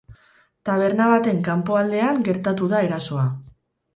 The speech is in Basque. Taberna baten kanpoaldean gertatu da erasoa.